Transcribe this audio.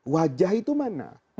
wajah itu mana